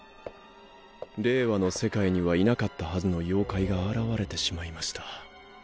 令和の世界にはいなかったはずの妖怪が現れてしまいました。